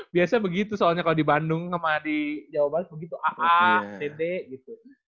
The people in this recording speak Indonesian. biasanya begitu soalnya kalau di bandung sama di jawa barat begitu aha td gitu